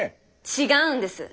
違うんです。